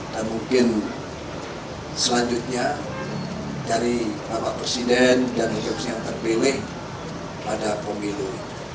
dan mungkin selanjutnya dari bapak presiden dan juga yang terpilih pada pemilu